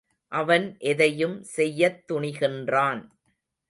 அவன் எதையும் செய்யத் துணிகின்றான்.